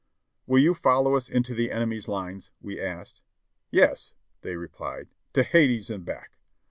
"Will you follow us into the enemy's lines?" we asked. "Yes," they replied, "to Hades and back